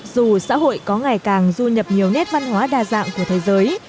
dù xã hội có ngày càng du nhập nhiều nét văn hóa đa dạng của thế giới